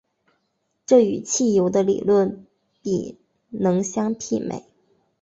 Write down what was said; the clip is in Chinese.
这与汽油的理论比能相媲美。